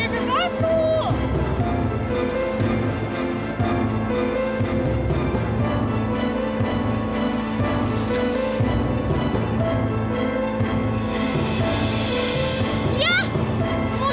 kamu lagi jelasan apa